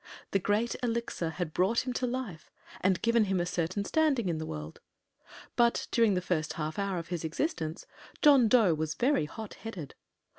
The Great Elixir had brought him to life, and given him a certain standing in the world; but during the first half hour of his existence John Dough was very hot headed.